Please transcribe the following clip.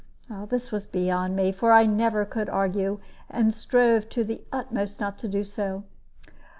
This was beyond me; for I never could argue, and strove to the utmost not to do so.